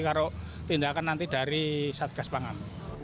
kalau tindakan nanti dari satgas pangan